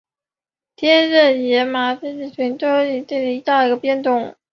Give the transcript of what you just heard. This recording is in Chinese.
坚硬野芝麻为唇形科野芝麻属下的一个变种。